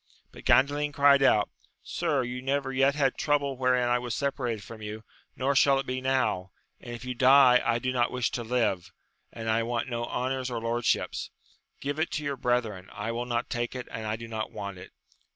But Gandalin cried out, Sir, you never yet had trouble 268 AMADIS OF GAUL wherein I was separated from you, nor shall it be now ; and if you die, I do ^ot wish to liye : and I want no honours or lordships ; give it to your brethren, I will not take it, and I do not want it.